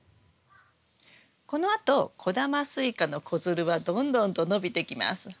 このあと小玉スイカの子づるはどんどんと伸びてきます。